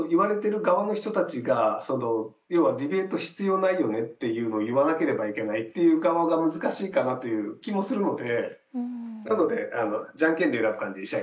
要は「ディベート必要ないよね？」っていうのを言わなければいけないっていう側が難しいかなという気もするので。